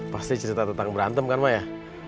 pasti cerita tentang berantem kan pak ya